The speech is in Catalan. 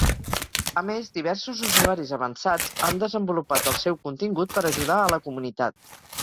A més, diversos usuaris avançats han desenvolupat el seu contingut per ajudar a la comunitat.